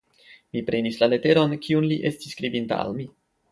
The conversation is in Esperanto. Mi prenis la leteron, kiun li estis skribinta al mi.